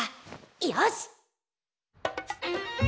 よし！